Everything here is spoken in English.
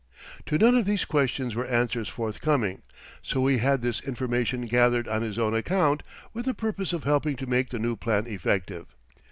To none of these questions were answers forthcoming, so he had this information gathered on his own account with the purpose of helping to make the new plan effective.